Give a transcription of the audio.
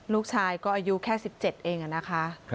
ลูกชายก็อายุแค่๑๗เองนะคะ